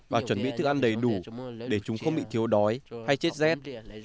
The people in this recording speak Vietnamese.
và chuẩn bị thức ăn đầy đủ để chúng không bị thiếu đói hay chết rét